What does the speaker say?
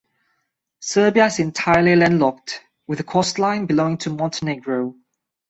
Serbia is entirely landlocked, with the coastline belonging to Montenegro.